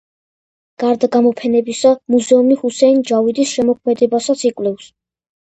გარდა გამოფენებისა, მუზეუმი ჰუსეინ ჯავიდის შემოქმედებასაც იკვლევს.